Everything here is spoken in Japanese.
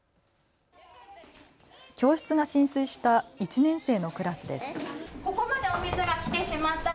教室が浸水した１年生のクラスです。